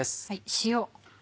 塩。